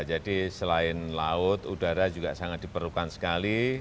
jadi selain laut udara juga sangat diperlukan sekali